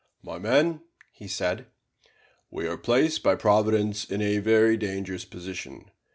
"My men," he said, "we are placed by Providence in a very dangerous position.